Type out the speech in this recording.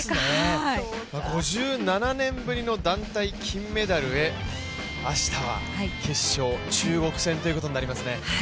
５７年ぶりの団体金メダルへ、明日は決勝、中国戦ということになりますね。